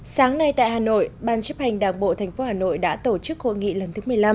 sáng nay tại hà nội ban chấp hành đảng bộ tp hà nội đã tổ chức hội nghị lần thứ một mươi năm